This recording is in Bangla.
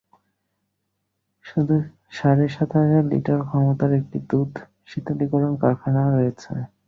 শুধু সাড়ে সাত হাজার লিটার ক্ষমতার একটি দুধ শীতলীকরণ কারখানা রয়েছে।